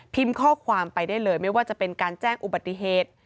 ข้อความไปได้เลยไม่ว่าจะเป็นการแจ้งอุบัติเหตุ